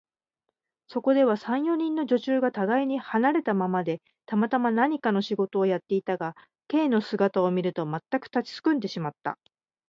そこでは、三、四人の女中がたがいに離れたままで、たまたま何かの仕事をやっていたが、Ｋ の姿を見ると、まったく立ちすくんでしまった。